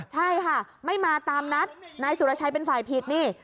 ใช่ค่ะไม่มาตามนัดนายสุรชัยเป็นฝ่ายผิดนี่